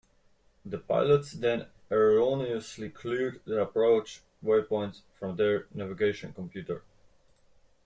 The pilots then erroneously cleared the approach waypoints from their navigation computer.